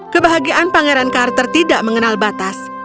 kebahagiaan pangeran carter tidak mengenal batas